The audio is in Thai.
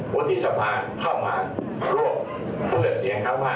เพราะฉะนั้นถ้าหากว่า